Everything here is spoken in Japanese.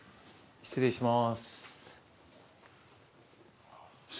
失礼いたします。